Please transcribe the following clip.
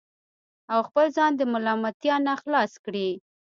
او خپل ځان د ملامتیا نه خلاص کړي